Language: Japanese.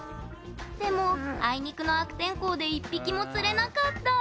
でも、あいにくの悪天候で１匹も釣れなかった。